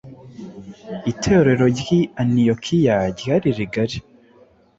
Itorero ry’i Antiyokiya ryari rigari